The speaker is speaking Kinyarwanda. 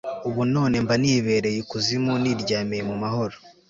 ubu none mba nibereye ikuzimu, niryamiye mu mahoro